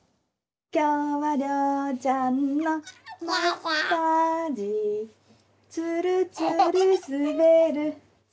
「きょうはりょうちゃんのマッサージ」「つるつるすべる」